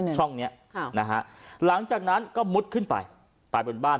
ช่องนี้นะฮะหลังจากนั้นก็มุดขึ้นไปไปบนบ้าน